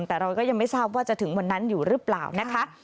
แต่เราก็ยังไม่ทราบว่าจะถึงวันนั้นอยู่หรือเปล่านะคะ